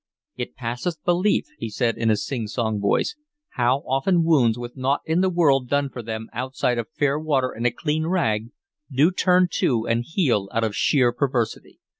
"It passeth belief," he said in a sing song voice, "how often wounds, with naught in the world done for them outside of fair water and a clean rag, do turn to and heal out of sheer perversity.